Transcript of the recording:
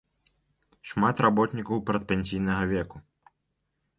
Шмат работнікаў перадпенсійнага веку.